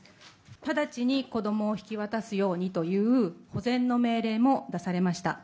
直ちに子どもを引き渡すようにという保全の命令も出されました。